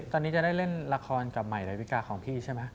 ตอนนี้จะได้เล่นละครกับใหม่ดาวิกาของพี่ใช่ไหม